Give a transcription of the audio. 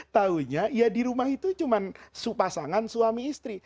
tahunya ya di rumah itu cuma pasangan suami istri